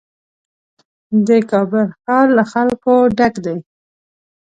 د کابل ښار له خلکو ډک دی.